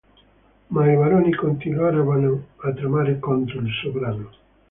Ma i baroni continuavano a tramare contro il sovrano.